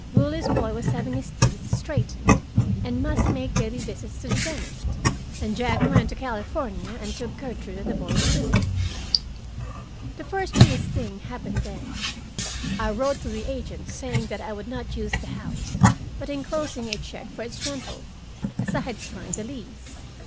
Willie's boy was having his teeth straightened, and must make daily visits to the dentist, and Jack went to California and took Gertrude and the boys with him. The first curious thing happened then. I wrote to the agent, saying that I would not use the house, but enclosing a check for its rental, as I had signed the lease.